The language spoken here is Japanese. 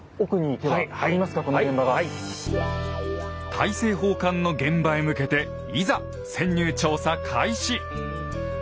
大政奉還の現場へ向けていざ潜入調査開始！